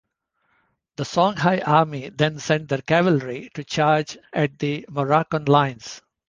The Songhai army then sent their cavalry to charge at the Moroccan lines.